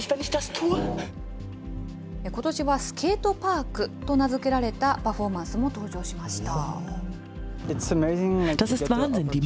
ことしはスケートパークと名付けられたパフォーマンスも登場しました。